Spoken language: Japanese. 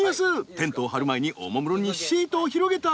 テントを張る前におもむろにシートを広げた。